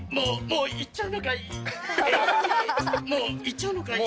もう行っちゃうのかい？